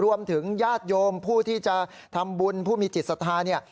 ญาติโยมผู้ที่จะทำบุญผู้มีจิตศรัทธาเนี่ย